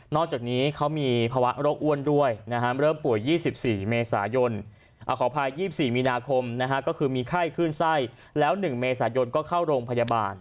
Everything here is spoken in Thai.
จากนี้เขามีภาวะโรคอ้วนด้วยเริ่มป่วย๒๔เมษายนขออภัย๒๔มีนาคมก็คือมีไข้ขึ้นไส้แล้ว๑เมษายนก็เข้าโรงพยาบาล